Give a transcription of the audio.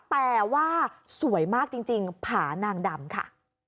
แต่ว่าสวยมากจริงผานางดำค่ะ